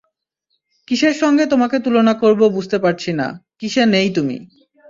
কিসের সঙ্গে তোমাকে তুলনা করব বুঝতে পারছি না, কিসে নেই তুমি।